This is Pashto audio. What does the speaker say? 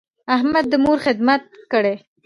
احمد د مور خدمت کړی.